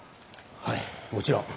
はいもちろん。